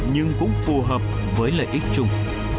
nhưng cũng phù hợp với lợi ích chúng